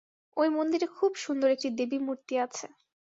ঐ মন্দিরে খুব সুন্দর একটি দেবীমূর্তি আছে।